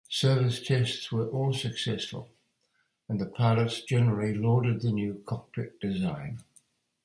Service tests were all successful, and the pilots generally lauded the new cockpit design.